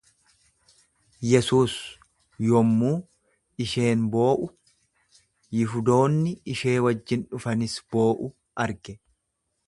Yesuus yommuu isheen boo'u, Yihudoonni ishee wajjin dhufanis boo'u arge.